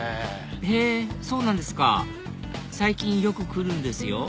へぇそうなんですか最近よく来るんですよ